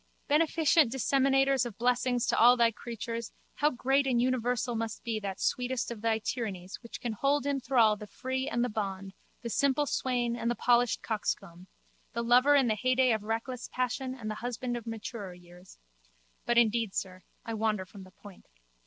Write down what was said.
Beneficent Disseminator of blessings to all Thy creatures, how great and universal must be that sweetest of Thy tyrannies which can hold in thrall the free and the bond, the simple swain and the polished coxcomb, the lover in the heyday of reckless passion and the husband of maturer years. But indeed, sir, I wander from the point.